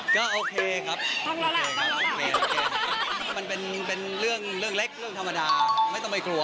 ก็โอเคครับมันเป็นเรื่องเล็กเรื่องธรรมดาไม่ต้องไปกลัว